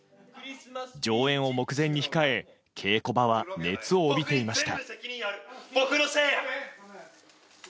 上演を目前に控え稽古場は熱を帯びていました。